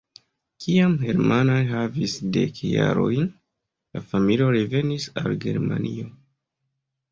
Kiam Hermann havis dek jarojn, la familio revenis al Germanio.